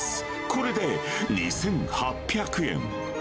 これで２８００円。